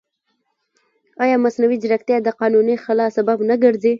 ایا مصنوعي ځیرکتیا د قانوني خلا سبب نه ګرځي؟